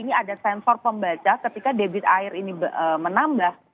ini ada sensor pembaca ketika debit air ini menambah